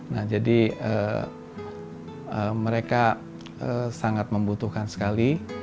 nah jadi mereka sangat membutuhkan sekali